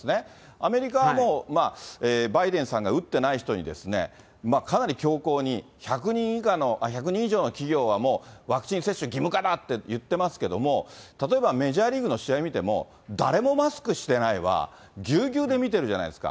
アメリカはもう、バイデンさんが打ってない人にですね、かなり強硬に１００人以上の企業はもうワクチン接種義務化だって言ってますけども、例えば、メジャーリーグの試合見ても、誰もマスクしてないわ、ぎゅうぎゅうで見てるじゃないですか。